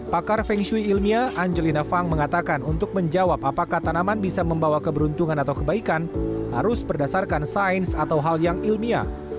pakar feng shui ilmiah angelina fang mengatakan untuk menjawab apakah tanaman bisa membawa keberuntungan atau kebaikan harus berdasarkan sains atau hal yang ilmiah